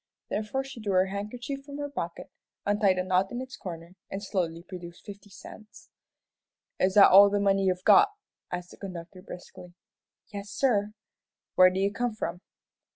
Therefore she drew her handkerchief from her pocket, untied a knot in its corner, and slowly produced fifty cents. "Is that all the money you've got?" asked the conductor, briskly. "Yes, sir." "Where do you come from?"